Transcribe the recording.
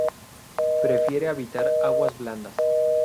Prefiere habitar aguas blandas.